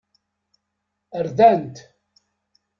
Rdan-t.